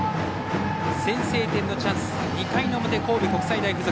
先制点のチャンス、２回の表神戸国際大付属。